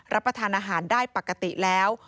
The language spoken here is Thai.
รับประทานอาหารได้ปกติแล้ว